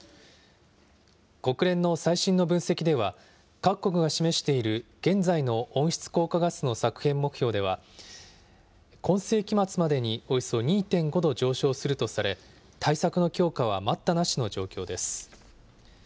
国連の最新の分析では、各国が示している現在の温室効果ガスの削減目標では、今世紀末までにおよそ２．５度上昇するとされ、対策の強化は待ったなしの状況です。